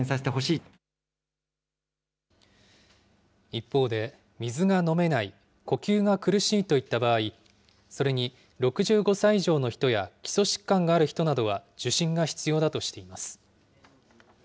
一方で、水が飲めない、呼吸が苦しいといった場合、それに６５歳以上の人や、基礎疾患がある人などは受診が必要だとしています。